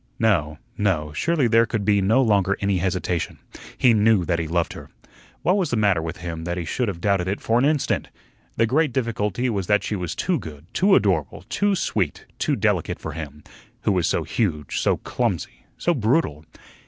No, no; surely there could be no longer any hesitation. He knew that he loved her. What was the matter with him, that he should have doubted it for an instant? The great difficulty was that she was too good, too adorable, too sweet, too delicate for him, who was so huge, so clumsy, so brutal.